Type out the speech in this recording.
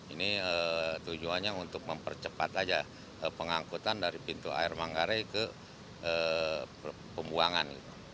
ini tujuannya untuk mempercepat saja pengangkutan dari pintu air manggarai ke pembuangan